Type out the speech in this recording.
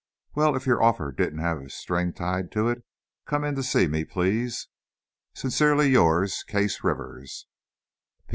Well, if your offer didn't have a string tied to it come in to see me, please. Sincerely yours, Case Rivers.